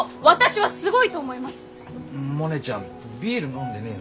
はい。